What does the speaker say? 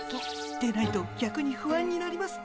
出ないとぎゃくに不安になりますね。